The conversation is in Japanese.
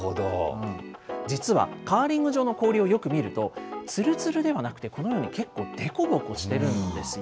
実は、カーリング場の氷をよく見ると、つるつるではなくて、このように結構、凸凹してるんですよ。